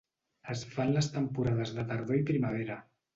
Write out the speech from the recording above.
Es fa en les temporades de tardor i primavera.